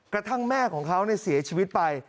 กระทั่งแม่ของเขาเสียชีวิตไป